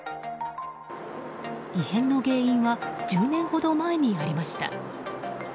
異変の原因は１０年ほど前にありました。